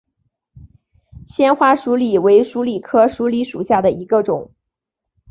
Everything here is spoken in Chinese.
纤花鼠李为鼠李科鼠李属下的一个种。